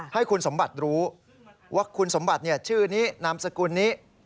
ให้คุณสมบัติรู้ว่าคุณสมบัติชื่อนี้นามสกุลนี้